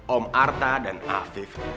om arta dan afif